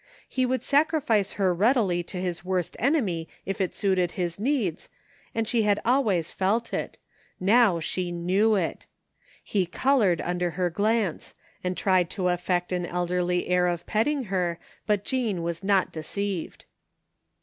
He would sacrifice her readily to his worst enemy if it suited his needs, and she had always felt it — now she knew it He colored under her glance, and tried to affect an elderly air of petting her, but Jean was not deceived.